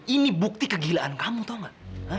ini bukti kegilaan kamu tau gak